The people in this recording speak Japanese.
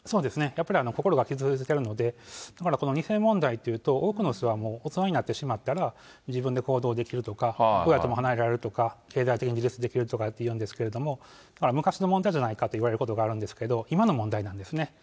やっぱり心が傷ついているので、だからこの２世問題っていうと、多くの人が大人になってしまったら、自分で行動できるとか、親とも離れられるとか、経済的に自立できるとかっていうんですけれども、昔の問題じゃないかと言われることがあるんですけど、今の問題なんですね。